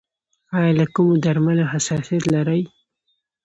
ایا له کومو درملو حساسیت لرئ؟